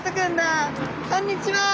こんにちは。